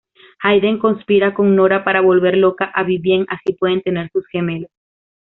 Hayden conspira con Nora para volver loca a Vivien así pueden tener sus gemelos.